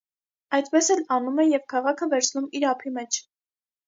Այդպես էլ անում է և քաղաքը վերցնում իր ափի մեջ։